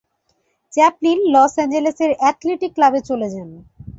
Chaplin Los অ্যাঞ্জেলেসের athletic ক্লাবে চলে যান।